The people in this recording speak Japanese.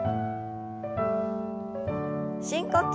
深呼吸。